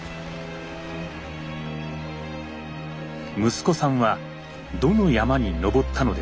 「息子さんはどの山に登ったのですか？」。